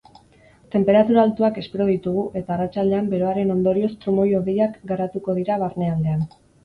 Tenperatura altuak espero ditugu eta arratsaldean beroaren ondorioz trumoi-hodeiak garatuko dira barnealdean.